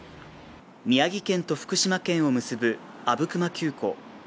宮城県と福島県を結ぶ阿武隈急行。